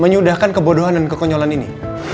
menyudahkan kebodohan dan kekonyolan ini